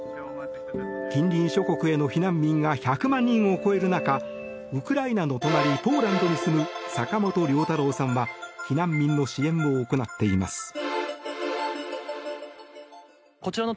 近隣諸国への避難民が１００万人を超える中ウクライナの隣ポーランドに住む坂本龍太朗さんは避難民の支援を行っています。